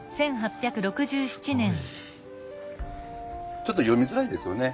ちょっと読みづらいですよね。